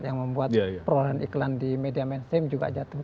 yang membuat perolahan iklan di media mainstream juga jatuh